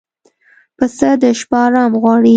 پسه د شپه آرام غواړي.